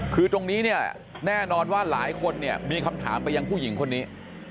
คือตรงนี้แน่นอนว่าหลายคนมีคำถามไปยังผู้หญิงคนนี้